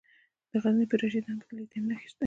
د غزني په رشیدان کې د لیتیم نښې شته.